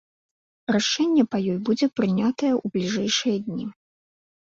Рашэнне па ёй будзе прынятае ў бліжэйшыя дні.